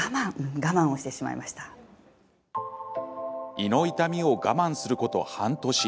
胃の痛みを我慢すること半年。